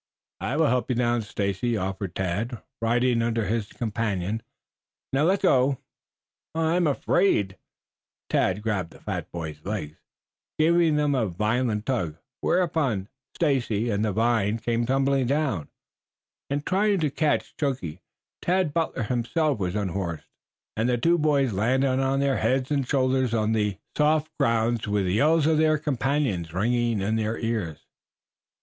"I will help you down, Stacy," offered Tad, riding under his companion. "Now, let go." "I I'm afraid." Tad grabbed the fat boy's legs, giving them a violent tug, whereupon Stacy and the vine came tumbling down. In trying to catch Chunky, Tad Butler was himself unhorsed, and the two boys landed on their heads and shoulders on the soft ground with the yells of their companions ringing in their ears.